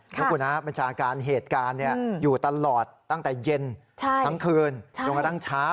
นะคุณฮะบัญชาการเหตุการณ์อยู่ตลอดตั้งแต่เย็นทั้งคืนจนกระทั่งเช้า